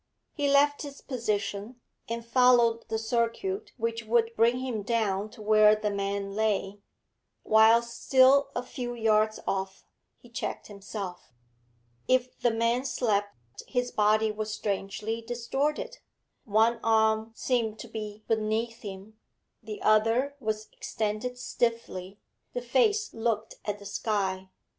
He left his position, and followed the circuit which would bring him down to where the man lay. Whilst still a few yards off, he checked himself. If the man slept, his body was strangely distorted; one arm seemed to be beneath him, the other was extended stiffly; the face looked at the sky.